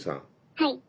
はい。